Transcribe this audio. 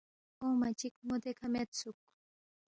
اونگما چِک مو دیکھہ میدسُوک